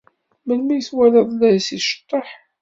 Melmi ay t-twalad la as-iceḍḍeḥ?